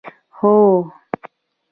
هوه